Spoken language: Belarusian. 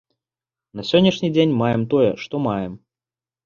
На сённяшні дзень маем тое, што маем.